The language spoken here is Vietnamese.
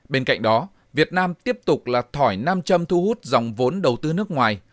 bên cạnh đó việt nam tiếp tục là thỏi nam châm thu hút dòng vốn đầu tư nước ngoài